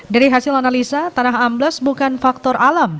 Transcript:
dari hasil analisa tanah ambles bukan faktor alam